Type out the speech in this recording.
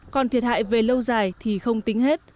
còn thiệt hại về lâu dài thì không tính hết